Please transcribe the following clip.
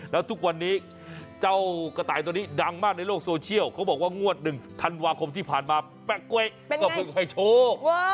แล้วทุกวันนี้เจ้ากระต่ายตัวนี้ดังมากในโลกโซเชียลเขาบอกว่างวดหนึ่งธันวาคมที่ผ่านมาแปะก๊วยก็เพิ่งให้โชค